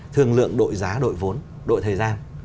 thương lượng đội giá đội vốn đội thời gian